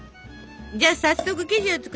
じゃあ早速生地を作りましょう。